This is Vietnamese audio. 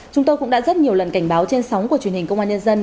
chúng tôi cũng đã rất nhiều lần cảnh báo trên sóng của truyền hình công an nhân dân